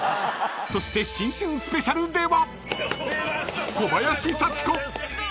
［そして新春スペシャルでは］